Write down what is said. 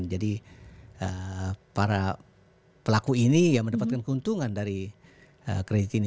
jadi para pelaku ini yang mendapatkan keuntungan dari kredit ini